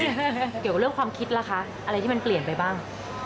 เกี่ยวกับเรื่องความคิดล่ะคะอะไรที่มันเปลี่ยนไปบ้าง